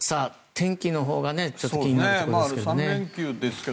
天気のほうがちょっと気になるところですが。